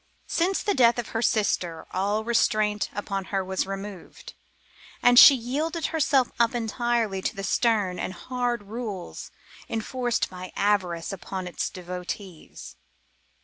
Since the death of her sister all restraint upon her was removed, and she yielded herself up entirely to the stern and hard rules enforced by avarice upon its devotees.